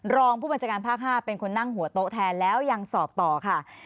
รองผู้บัญชาการภาค๕เป็นคนนั่งหัวโต๊ะแทนแล้วยังสอบต่อค่ะ